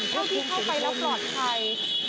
เท่าที่เข้าไปแล้วปลอดภัย